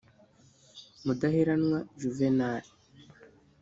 Mudaheranwa Juvenal